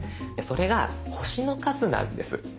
それが星の数なんです。